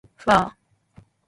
ふぁあ